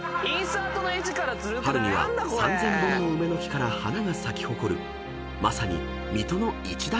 ［春には３，０００本の梅の木から花が咲き誇るまさに水戸の一大名所］